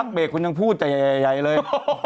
ตอนพักเบรกคุณยังพูดใจใหญ่เลย